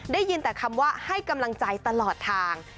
ได้ยินแต่คำว่าให้กำลังใจตลอดทาง